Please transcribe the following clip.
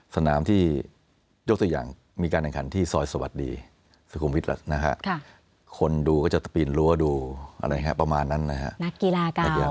สนามที่ยกตัวอย่างมีการแห่งขันที่ซอยสวัสดีสคมฟิตรัสคนดูก็จะสปีนรั้วดูอะไรแหละครับประมาณนั้นนะครับ